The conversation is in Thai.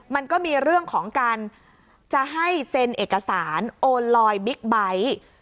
มันก็มีเรื่องของการจะให้เซ็นเอกสารโอนลอยบิ๊กไบท์